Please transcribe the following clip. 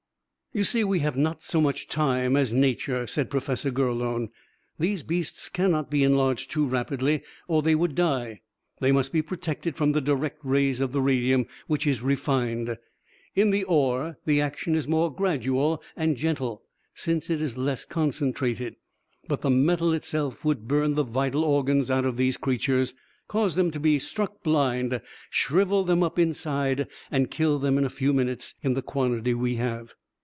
"You see, we have not so much time as nature," said Professor Gurlone. "These beasts cannot be enlarged too rapidly, or they would die. They must be protected from the direct rays of the radium, which is refined. In the ore, the action is more gradual and gentle, since it is less concentrated. But the metal itself would burn the vital organs out of these creatures, cause them to be struck blind, shrivel them up inside and kill them in a few minutes in the quantity we have.